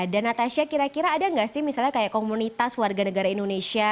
dan natasha kira kira ada nggak sih misalnya kayak komunitas warga negara indonesia